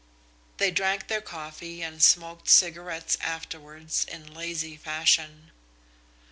They drank their coffee and smoked cigarettes afterwards in lazy fashion.